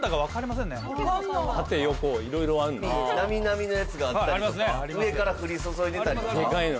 波々のやつがあったりとか上から降り注いでたりとか。